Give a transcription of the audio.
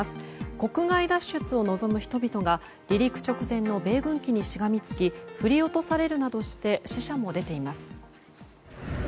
国外脱出を望む人々が離陸直前の米軍機にしがみつき振り落とされるなどして死者も出ています。